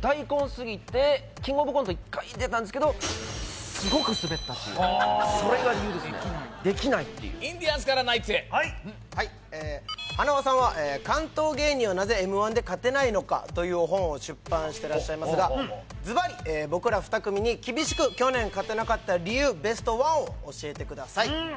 大根すぎてキングオブコント１回出たんですけどすごくスベったっていうそれが理由ですねできないっていうインディアンスからナイツへはいええ塙さんは「関東芸人はなぜＭ−１で勝てないのか」という本を出版してらっしゃいますがズバリ僕ら２組に厳しく去年勝てなかった理由ベストワンを教えてくださいあれ！？